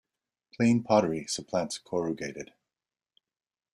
Plain pottery supplants corrugated.